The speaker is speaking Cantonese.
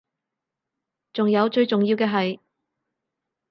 仲有最重要嘅係